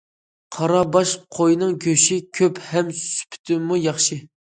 قارا باش قويىنىڭ گۆشى كۆپ ھەم سۈپىتىمۇ ياخشى.